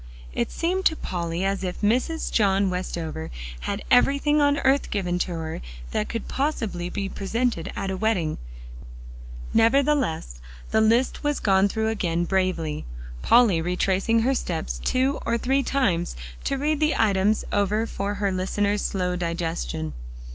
It seemed to Polly as if Mrs. John Westover had everything on earth given to her that could possibly be presented at a wedding; nevertheless the list was gone through again bravely, Polly retracing her steps two or three times to read the items over for her listener's slow digestion.